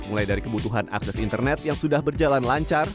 mulai dari kebutuhan akses internet yang sudah berjalan lancar